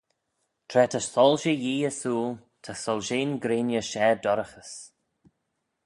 Tra ta soilshey Yee ersooyl ta soilshean greiney share dorraghys.